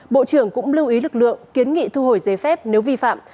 bộ trưởng cũng lưu ý lực lượng kiến nghị thu hồi giấy phép nếu vi phạm